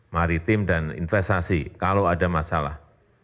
mari tim dan investasi kalau ada masalah